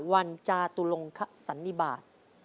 วันจาตุลงขสันนิบาต